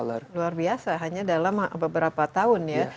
luar biasa hanya dalam beberapa tahun ya